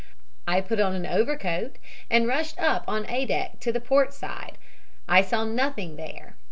I put on an overcoat and rushed up on A deck on the port side. I saw nothing there.